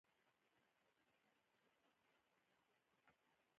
د بانکي اپلیکیشن کارول د هر وګړي لپاره ګټور دي.